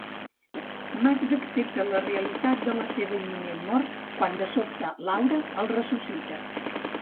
Max accepta la realitat de la seva imminent mort quan de sobte Laura el ressuscita.